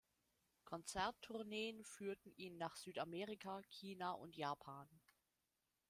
Konzerttourneen führten ihn nach Südamerika, China und Japan.